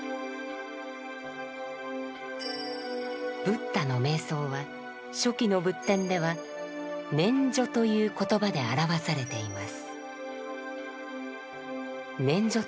ブッダの瞑想は初期の仏典では「念処」という言葉で表わされています。